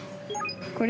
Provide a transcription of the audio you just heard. これ？